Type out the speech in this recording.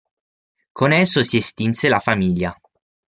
Con esso si estinse la famiglia.